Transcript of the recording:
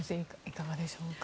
いかがでしょうか。